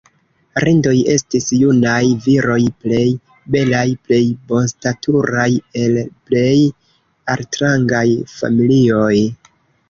"Rindoj" estis junaj viroj plej belaj, plej bonstaturaj el plej altrangaj familioj.